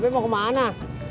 bapak mau kemana